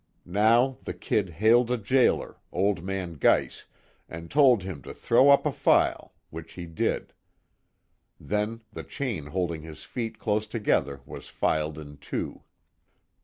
Now the "Kid" hailed the jailer, old man Geiss, and told him to throw up a file, which he did. Then the chain holding his feet close together was filed in two.